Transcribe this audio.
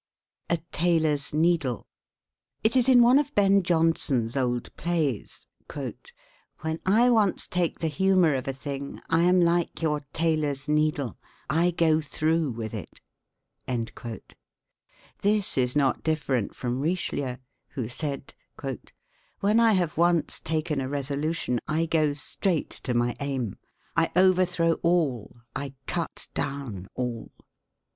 A TAILOR'S NEEDLE. It is in one of Ben Jonson's old plays: "When I once take the humor of a thing, I am like your tailor's needle I go through with it." This is not different from Richelieu, who said: "When I have once taken a resolution, I go straight to my aim; I overthrow all, I cut down all."